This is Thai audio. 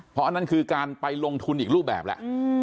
เพราะอันนั้นคือการไปลงทุนอีกรูปแบบแล้ว